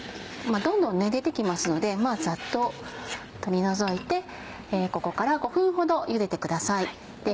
どんどん出て来ますのでざっと取り除いてここから５分ほどゆでてください。